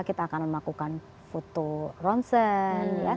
kita akan melakukan foto ronsen